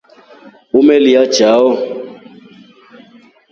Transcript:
Umelya chao?